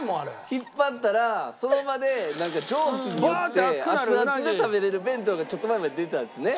引っ張ったらその場で蒸気によってアツアツで食べれる弁当がちょっと前まで出てたんですよね。